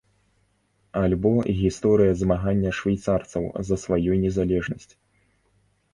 Альбо гісторыя змагання швейцарцаў за сваю незалежнасць.